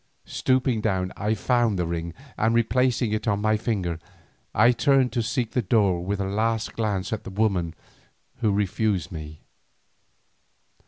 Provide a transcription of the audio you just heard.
Stooping down I found the ring, and replacing it on my finger, I turned to seek the door with a last glance at the woman who refused me.